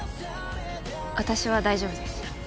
私は大丈夫です。